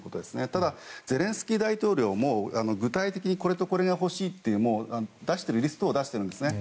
ただ、ゼレンスキー大統領も具体的にこれとこれが欲しいとリストを出しているんですね。